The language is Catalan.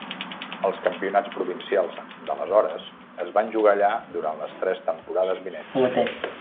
Els campionats provincials d'aleshores es van jugar allà durant les tres temporades vinents.